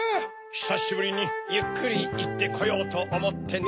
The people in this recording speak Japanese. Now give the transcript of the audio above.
ひさしぶりにゆっくりいってこようとおもってね。